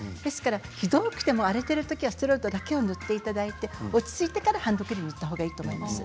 ひどくても荒れているときはステロイドだけ塗っていただいて落ち着いてからハンドクリームを塗ったほうがいいと思います。